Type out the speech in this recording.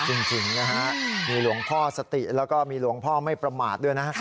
จริงนะฮะมีหลวงพ่อสติแล้วก็มีหลวงพ่อไม่ประมาทด้วยนะ